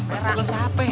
mbah guga siapa